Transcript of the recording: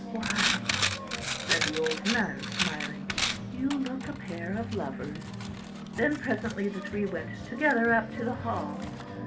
"Why," said the old nun, smiling, "you look a pair of lovers." Then presently the three went together up to the Hall.